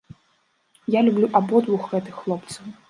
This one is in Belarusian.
Я люблю абодвух гэтых хлопцаў!